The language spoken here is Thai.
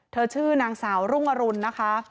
ชื่อนางสาวรุ่งอรุณนะคะ